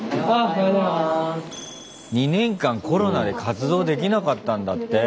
２年間コロナで活動できなかったんだって。